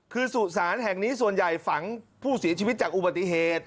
คือสุสานแห่งนี้ส่วนใหญ่ฝังผู้เสียชีวิตจากอุบัติเหตุ